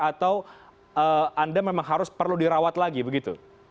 atau anda memang harus perlu dirawat lagi begitu